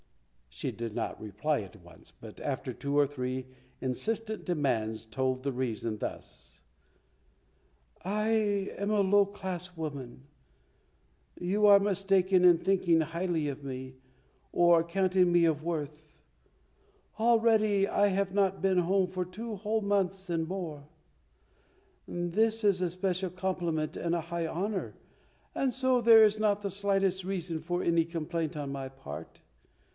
She did not reply at once, but after two or three insistent demands told the reason thus: "I am a low class woman; you are mistaken in thinking highly of me, or counting me of worth. Already I have not been home for two whole months and more. This is a special compliment and a high honour, and so there is not the slightest reason for any complaint on my part.